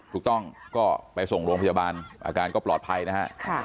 ถูกต้องก็ไปส่งโรงพยาบาลอาการก็ปลอดภัยนะฮะ